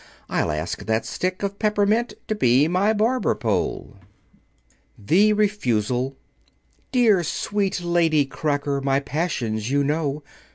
I'll ask that stick of peppermint To be my Barber pole." [Illustration: The Barber] THE REFUSAL "Dear, sweet Lady Cracker, My passions you know."